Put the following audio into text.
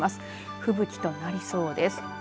吹雪となりそうです。